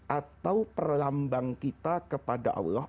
atau perlambang kita kepada allah